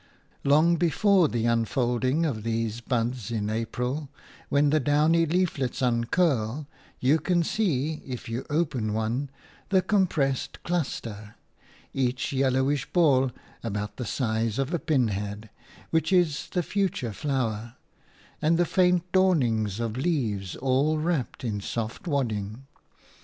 Long before the unfolding of these buds in April, when the downy leaflets uncurl, you can see, if you open one, the compressed cluster – each yellowish ball about the size of a pinhead – which is the future flower, and the faint dawnings of leaves all wrapped in soft wadding.